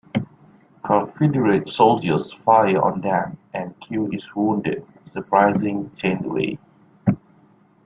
Confederate soldiers fire on them, and Q is wounded - surprising Janeway.